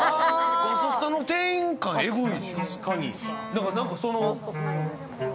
ガソスタの店員感、エグいでしょ。